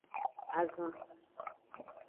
Azan.